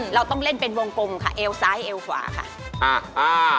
เราต้องเล่นเป็นวงกลมค่ะเอวซ้ายเอวขวาค่ะอ่า